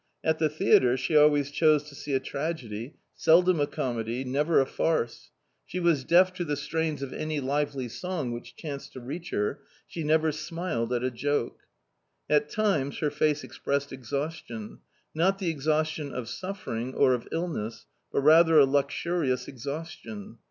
At the theatre she always chose to see a tragedy, seldom a comedy, never a farce ; she was deaf to the strains of any lively song which chanced to reach her, she never smiled at a joke. At times her face expressed exhaustion, not the exhaustion of suffering, or of illness, but rather a luxurious exhaustion.